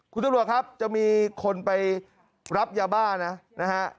คุณตำรวจครับจะมีคนไปรับยาบ้านะนะฮะ